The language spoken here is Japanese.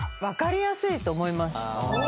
分かりやすいと思います。